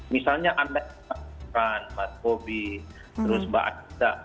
misalnya andai mas kobi terus mbak aja